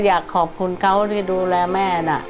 อยากขอบคุณเขาที่ดูแลแม่นะ